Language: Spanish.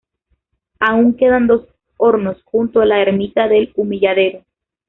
Aún quedan dos hornos junto a la ermita del Humilladero.